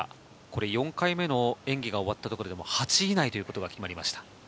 ４回目の演技が終わったところで８位以内が決まりました。